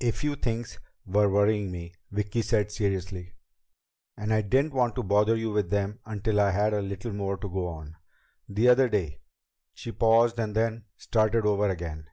"A few things were worrying me," Vicki said seriously, "and I didn't want to bother you with them until I had a little more to go on. The other day " She paused and then started over again.